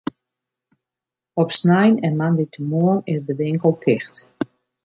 Op snein en moandeitemoarn is de winkel ticht.